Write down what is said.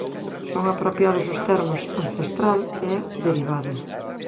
Son apropiados os termos "ancestral" e "derivado".